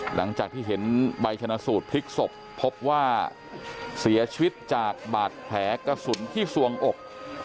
หลังจากที่เห็นใบชนะสูตรพลิกศพพบว่าเสียชีวิตจากบาดแผลกระสุนที่สวงอก